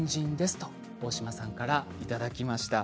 と大島さんからいただきました。